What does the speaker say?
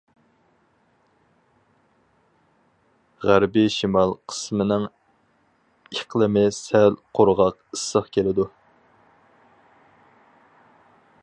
غەربىي شىمال قىسمىنىڭ ئىقلىمى سەل قۇرغاق ئىسسىق كېلىدۇ.